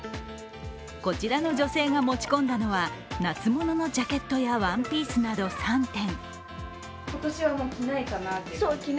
こちらの女性が持ち込んだのは夏物のジャケットやワンピースなど３点。